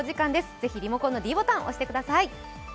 ぜひリモコンのｄボタンを押してください。